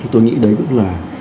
tôi nghĩ đấy cũng là